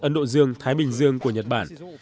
ấn độ dương thái bình dương của nhật bản